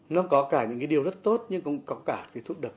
nó có cả những điều rất tốt nhưng cũng có cả thuốc độc